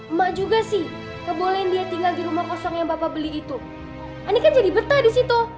emak juga sih kebolehan dia tinggal di rumah kosong yang bapak beli itu ani kan jadi betah disitu